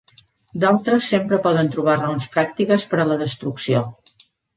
D'altres sempre poden trobar raons pràctiques per a la destrucció.